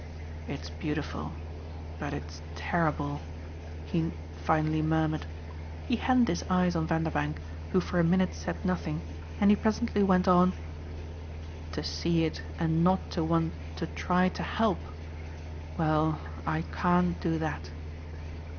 "It's beautiful but it's terrible!" he finally murmured. He hadn't his eyes on Vanderbank, who for a minute said nothing, and he presently went on: "To see it and not to want to try to help well, I can't do that."